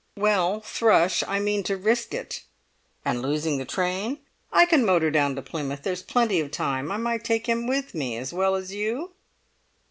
"Well, Thrush, I mean to risk it." "And losing the train?" "I can motor down to Plymouth; there's plenty of time. I might take him with me, as well as you?"